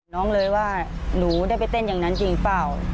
เลยว่าหนูได้ไปเต้นอย่างนั้นจริงเปล่า